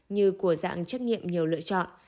như của dạng trắc nghiệm nhiều lựa chọn